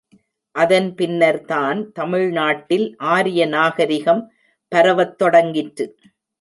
அதன் பின்னர்தான் தமிழ்நாட்டில் ஆரிய நாகரிகம் பரவத் தொடங்கிற்று.